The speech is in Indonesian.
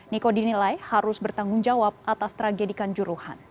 niko dinilai harus bertanggung jawab atas tragedikan juruhan